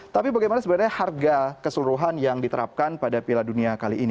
tapi bagaimana sebenarnya harga keseluruhan yang diterapkan pada piala dunia kali ini